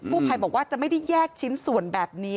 ภัยบอกว่าจะไม่ได้แยกชิ้นส่วนแบบนี้